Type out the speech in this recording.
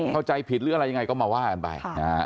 เข้าใจผิดหรืออะไรยังไงก็มาว่ากันไปนะฮะ